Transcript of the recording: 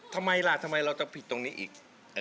ทำไมล่ะเราจะผิดตรงนี้อีก